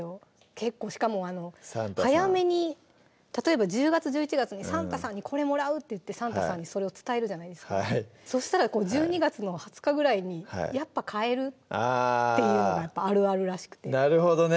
結構しかも早めに例えば１０月・１１月に「サンタさんにこれもらう」って言ってサンタさんにそれを伝えるじゃないですかそしたら１２月の２０日ぐらいに「やっぱ変える」っていうのがあるあるらしくてなるほどね